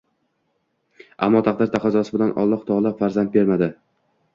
Ammo taqdir taqozosi bilan Alloh taolo farzand bermadi